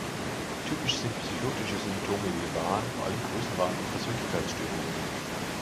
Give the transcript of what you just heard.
Typisch sind psychotische Symptome wie Wahn, vor allem Größenwahn und Persönlichkeitsstörungen.